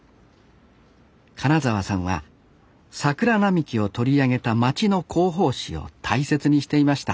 金澤さんは桜並木を取り上げた町の広報誌を大切にしていました